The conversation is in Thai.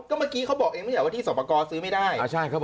ก็เมื่อกี้เขาบอกเองไหมที่สรบกอซื้อไม่ได้